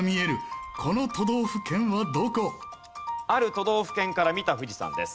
ある都道府県から見た富士山です。